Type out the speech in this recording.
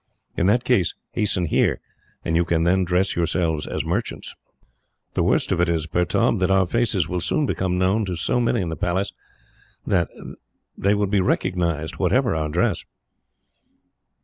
In that case hasten here, and you can then dress yourselves as merchants." "The worst of it is, Pertaub, that our faces will soon become known to so many in the Palace that they would be recognised, whatever our dress."